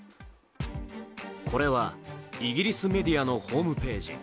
これはイギリスメディアのホームページ。